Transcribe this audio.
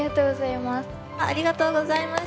ありがとうございます。